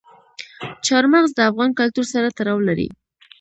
چار مغز د افغان کلتور سره تړاو لري.